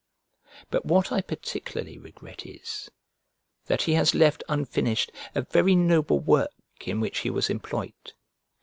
But what I particularly regret is, that he has left unfinished a very noble work in which he was employed.